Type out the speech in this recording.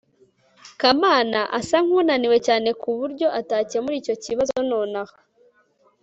kamana asa nkunaniwe cyane kuburyo atakemura icyo kibazo nonaha